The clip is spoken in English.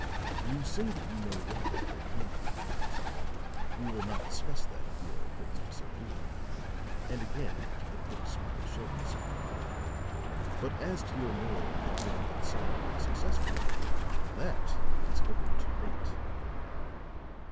"You say that you know why I came here to night. We will not discuss that if you are opposed to so doing," and again the quick smile showed itself. "But as to your knowing I have been in some degree successful, that is open to debate."